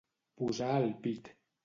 Posar al pit.